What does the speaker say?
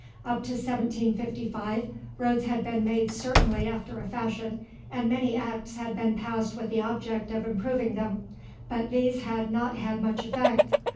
Up to 1755 roads had been made certainly after a fashion, and many Acts had been passed with the object of improving them, but these had not had much effect.